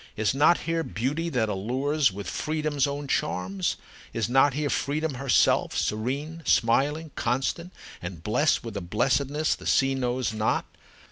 Is not here beauty that allures with freedom's own charms? Is not here freedom herself, serene, smiling, constant, and blessed with a blessedness the sea knows not?"